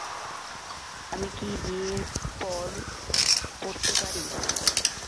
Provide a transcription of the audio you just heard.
আমি কি বিয়ের পর পরতে পারি?